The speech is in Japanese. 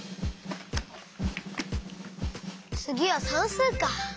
つぎはさんすうか。